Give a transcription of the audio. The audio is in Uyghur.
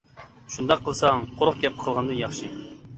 شۇنداق قىلساڭ قۇرۇق گەپ قىلغاندىن ياخشى!